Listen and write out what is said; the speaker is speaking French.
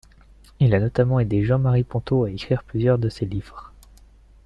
Il a notamment aidé Jean-Marie Pontaut à écrire plusieurs de ses livres.